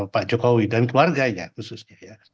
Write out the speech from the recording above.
pak jokowi dan keluarganya khususnya ya